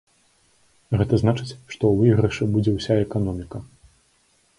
Гэта значыць, што ў выйгрышы будзе ўся эканоміка.